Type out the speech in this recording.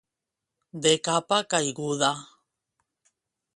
De capa caiguda.